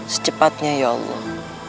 secepatnya ya allah